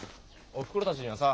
おふくろたちにはさ